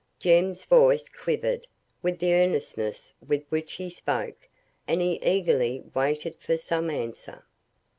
Jem's voice quivered with the earnestness with which he spoke, and he eagerly waited for some answer.